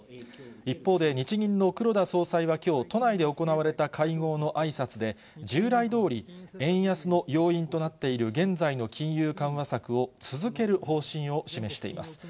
一方で、日銀の黒田総裁はきょう、都内で行われた会合のあいさつで、従来どおり円安の要因となっている現在の金融緩和策を続ける方針を示しています。